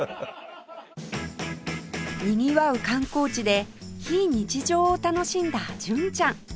にぎわう観光地で非日常を楽しんだ純ちゃん